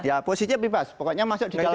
ya posisinya bebas pokoknya masuk di dalam